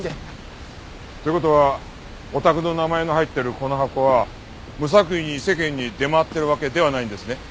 という事はお宅の名前の入ってるこの箱は無作為に世間に出回ってるわけではないんですね？